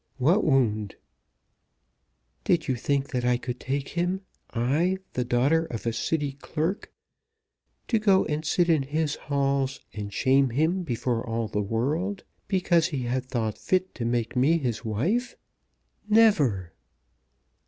"What wound!" "Did you think that I could take him, I, the daughter of a City clerk, to go and sit in his halls, and shame him before all the world, because he had thought fit to make me his wife? Never!"